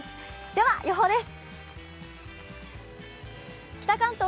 では、予報です。